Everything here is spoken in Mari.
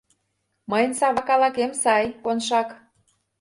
— Мыйын сава калакем сай, Коншак...